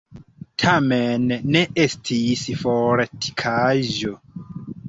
Tamen ne estis fortikaĵo.